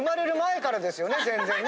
全然ね？